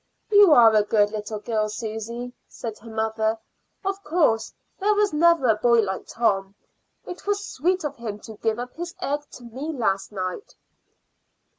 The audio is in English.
"You are a good little girl, Susy," said her mother. "Of course, there never was a boy like Tom. It was sweet of him to give up his egg to me last night."